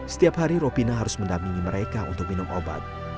setiap hari ropina harus mendampingi mereka untuk minum obat